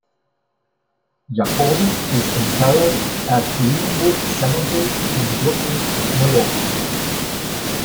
Jacobi is interred at Green-Wood Cemetery in Brooklyn, New York.